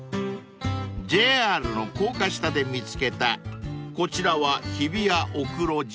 ［ＪＲの高架下で見つけたこちらは］